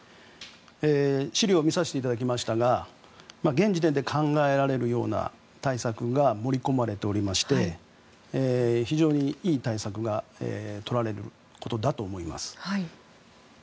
資料を見させていただきましたが現時点で考えられる対策が盛り込まれておりまして非常にいい対策が取られることだと思います。